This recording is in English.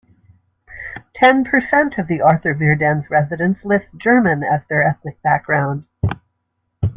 Ten per cent of the Arthur-Virden's residents list German as their ethnic background.